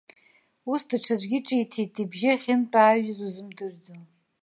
Ус даҽаӡәгьы ҿиҭит, ибжьы ахьынтәааҩыз узымдырӡо.